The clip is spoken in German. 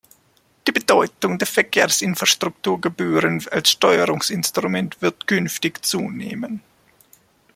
Die Bedeutung der Verkehrsinfrastrukturgebühren als Steuerungsinstrument wird künftig zunehmen.